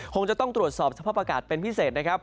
คงจะต้องตรวจสอบสภาพอากาศเป็นพิเศษนะครับ